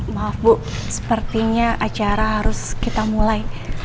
maaf bu sepertinya acara harus kita mulai